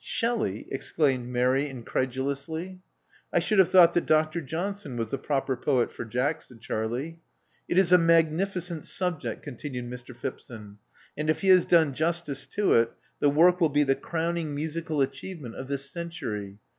Shelley!" exclaimed Mary incredulously. '*I should have thought that Dr. Johnson was the proper poet for Jack," said Charlie. *'It is a magnificent subject," continued Mr. Phip son; and if he has done justice to it, the work will be the crowning musical achievement of this century.